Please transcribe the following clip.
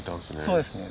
そうですね。